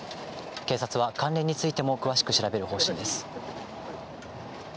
警察は関連についても詳しく調べる方針です。